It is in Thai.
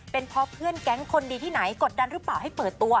เป็นเพราะเพื่อนแก๊งคนดีที่ไหนกดดันหรือเปล่าให้เปิดตัว